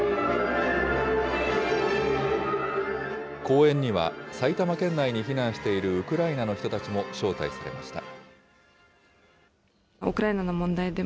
公演には、埼玉県内に避難しているウクライナの人たちも招待されました。